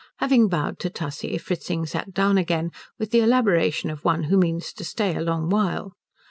Having bowed to Tussie Fritzing sat down again with the elaboration of one who means to stay a long while.